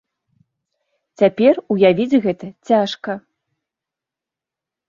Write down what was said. Цяпер уявіць гэта цяжка.